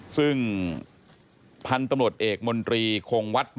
ซึ่งพันธุ์ตำรวจเอกมนตรีคงวัด